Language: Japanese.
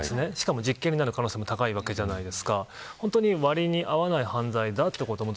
しかも実刑になる可能性も高いわけじゃないですか。